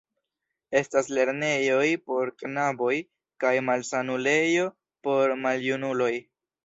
Estas lernejoj por knaboj kaj malsanulejo por maljunuloj.